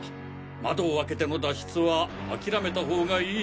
窓を開けての脱出はあきらめたほうがいい。